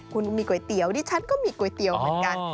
คุณมีก๋วยเตี๋ยวดิฉันก็มีก๋วยเตี๋ยวเหมือนกัน